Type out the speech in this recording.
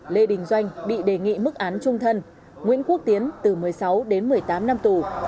lê đình doanh bị đề nghị mức án trung thân nguyễn quốc tiến từ một mươi sáu đến một mươi tám năm tù